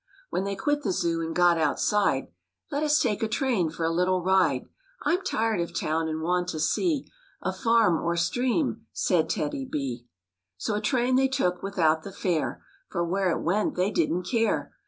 When they quit the Zoo and got outside, "Let us take a train for a little ride; I'm tired of town and want to see A farm or stream," said TEDDY B. THE BEARS GO FISHING 135 So a train they took without the fare, For where it went they didn't care.